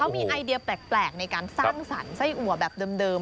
มีไอเดียแปลกในการสร้างสรรค์ไส้อัวแบบเดิม